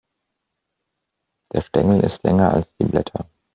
Der Stängel ist länger als die Blätter.